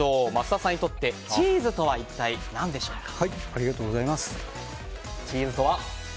桝田さんにとってチーズとは一体何でしょうか？